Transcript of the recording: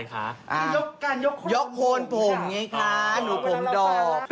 ยกการยกโผล่ยกโผล่ผมเนี่ยคะหนูผงดอบ